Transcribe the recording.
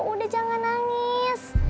udah jangan nangis